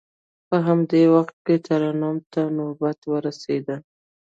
په همدې وخت کې ترنم ته نوبت ورسید.